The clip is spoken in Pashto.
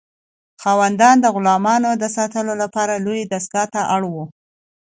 خاوندان د غلامانو د ساتلو لپاره لویې دستگاه ته اړ وو.